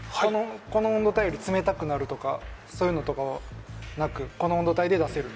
この温度帯より冷たくなるとかそういうのとかはなくこの温度帯で出せる？